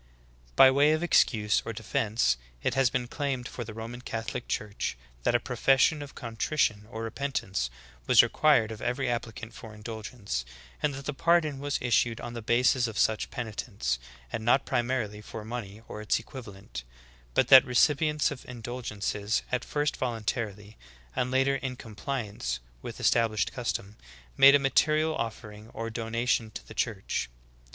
"'" 19. By way of excuse or defense, it has been claimed for the Roman Catholic Church that a profession of con trition or repentance was required of every applicant for indulgence, and that the pardon \vas issued on the basis of such penitence, and not primarily for money or its equiv alent; but that recipients of indulgences, at first voluntarily, and later in compliance with established custom, made a material offering or donation to the Church.